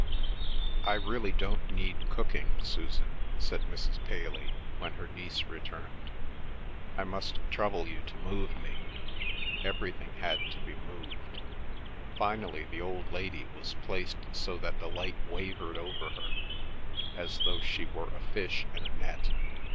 "I really don't need cooking, Susan," said Mrs. Paley, when her niece returned. "I must trouble you to move me." Everything had to be moved. Finally the old lady was placed so that the light wavered over her, as though she were a fish in a net.